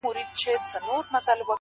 دا هغه بې شرفه مخلوق دی